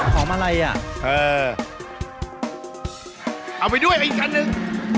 ของอะไรอ่ะเออเอาไปด้วยไปอีกคันนึง